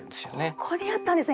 ここにあったんですね。